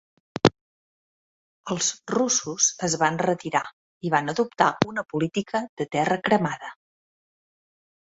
Els russos es van retirar i van adoptar una política de terra cremada.